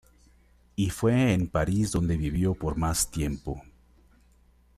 Y fue en París donde vivió por más tiempo.